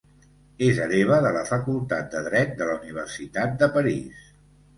És hereva de la Facultat de Dret de la Universitat de París.